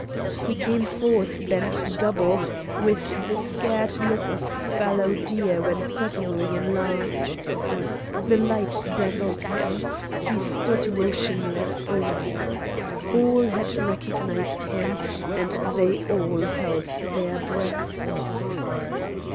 He came forth bent double, with the scared look of fallow deer when suddenly enlarged. The light dazzled him; he stood motionless awhile. All had recognised him, and they held their breath.